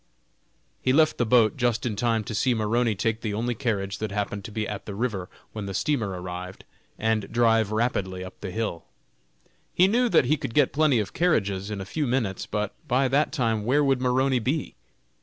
He left the boat just in time to see Maroney take the only carriage that happened to be at the river when the steamer arrived, and drive rapidly up the hill. He knew that he could get plenty of carriages in a few minutes, but by that time where would Maroney be?